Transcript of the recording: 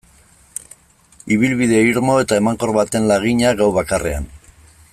Ibilbide irmo eta emankor baten lagina, gau bakarrean.